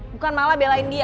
bukan malah belain dia